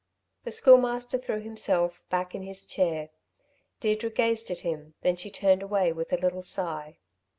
The Schoolmaster threw himself back in his chair. Deirdre gazed at him, then she turned away with a little sigh.